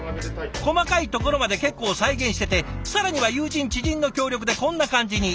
細かいところまで結構再現してて更には友人知人の協力でこんな感じに。